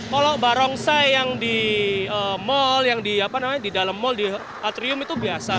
kalau barongsai yang di mall yang di apa namanya di dalam mall di atrium itu biasa